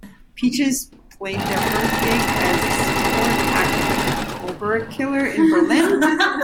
Peaches played her first gig as support act of Cobra Killer in Berlin.